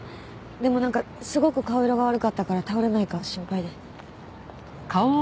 でもなんかすごく顔色が悪かったから倒れないか心配で。